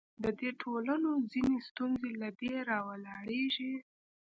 د دې ټولنو ځینې ستونزې له دې راولاړېږي.